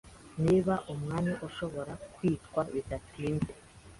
niba umwanya ushobora kwitwa Bidatinze